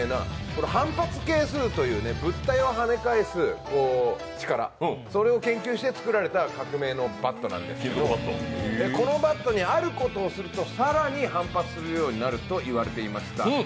これ、反発係数という物体を跳ね返す力、それを研究して作られた革命のバットなんですけどこのバットにあることをすると更に反発するようになるといわれていました。